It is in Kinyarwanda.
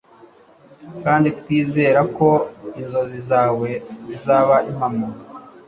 kandi twizere ko inzozi zawe zizaba impamo